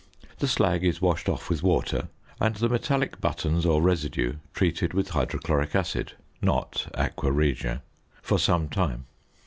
The slag is washed off with water, and the metallic buttons or residue treated with hydrochloric acid (not aqua regia), for some time.